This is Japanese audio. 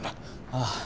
ああ。